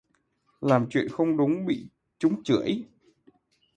Làm chuyện không đúng bị chúng chưởi